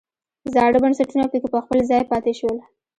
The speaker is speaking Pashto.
زاړه بنسټونه پکې په خپل ځای پاتې شول.